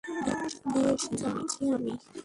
বেশ, যাচ্ছি আমি।